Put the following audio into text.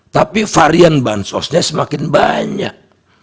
tapi varian bansosnya semakin banyak